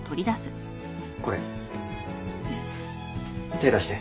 手出して。